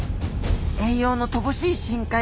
栄養の乏しい深海。